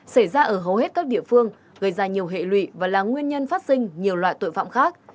xảy ra ở hầu hết các địa phương gây ra nhiều hệ lụy và là nguyên nhân phát sinh nhiều loại tội phạm khác